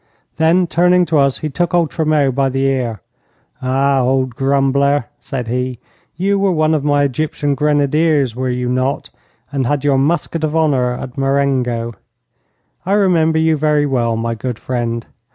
Then, turning to us, he took old Tremeau by the ear. 'Ah, old grumbler,' said he, 'you were one of my Egyptian grenadiers, were you not, and had your musket of honour at Marengo. I remember you very well, my good friend.